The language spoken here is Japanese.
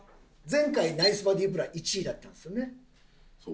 前回ナイスバディブラ１位だったんですよね。